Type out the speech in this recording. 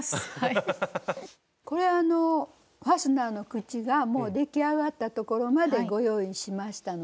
これあのファスナーの口がもう出来上がったところまでご用意しましたので。